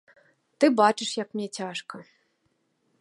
Ты бачыш, як мне цяжка.